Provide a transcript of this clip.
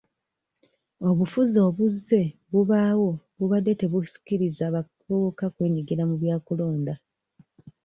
Obufuzi obuzze bubaawo bubadde tebusikiriza bavubuka kwenyigira mu bya kulonda.